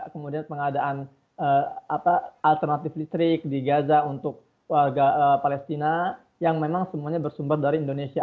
kemudian pengadaan alternatif listrik di gaza untuk warga palestina yang memang semuanya bersumber dari indonesia